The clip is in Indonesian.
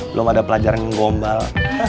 belum ada pelajaran yang gombal